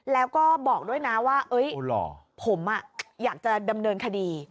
แล้วก็บอกด้วยนะว่าเฮ้ยโอ้หล่อผมอ่ะอยากจะดำเนินคดี